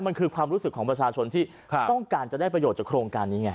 มันคือความรู้สึกของประชาชนที่ต้องการจะได้ประโยชน์จากโครงการนี้ไง